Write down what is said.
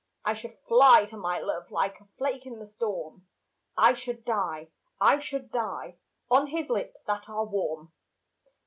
I should fly to my love Like a flake in the storm, I should die, I should die, On his lips that are warm.